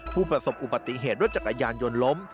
ผู้ประสบอุบัติเหตุรถจักรยานยนต์ล้ม